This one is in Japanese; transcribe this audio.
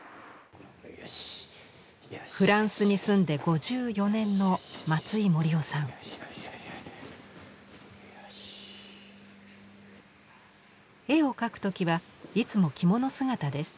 フランスに住んで５４年の絵を描く時はいつも着物姿です。